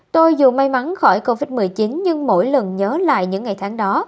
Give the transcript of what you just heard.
tôi dù may mắn khỏi covid một mươi chín nhưng mỗi lần nhớ lại những ngày tháng đó